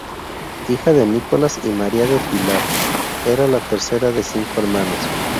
Hija de Nicolás y María del Pilar, era la tercera de cinco hermanos.